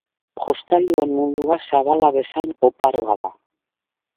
Jostailuen mundua zabala bezain oparoa da.